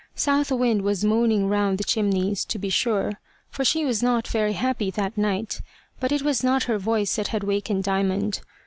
South Wind was moaning round the chimneys, to be sure, for she was not very happy that night, but it was not her voice that had wakened Diamond.